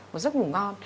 một giấc ngủ ngon